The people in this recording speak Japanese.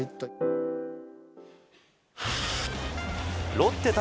ロッテ対